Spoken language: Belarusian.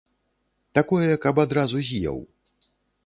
Такое, каб адразу з'еў.